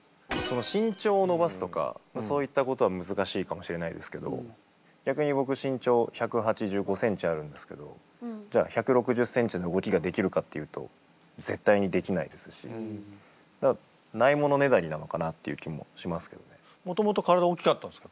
身長を伸ばすとかそういったことは難しいかもしれないですけど逆に僕身長１８５ｃｍあるんですけどじゃあ１６０ｃｍの動きができるかっていうと絶対にできないですしだからもともと体大きかったんですか？